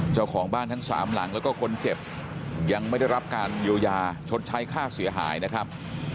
เจ้าของบ้านทั้งสามหลังแล้วก็คนเจ็บยังไม่ได้รับการเยียวยาชดใช้ค่าเสียหายนะครับ